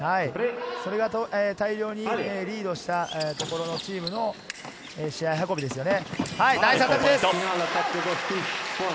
それが大量にリードしたところのチームの試合運びですよね。